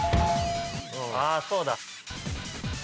あそうだ。